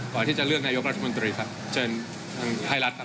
ก่อนที่จะเลือกนายกรัฐมนตรีครับเชิญทางไทยรัฐครับ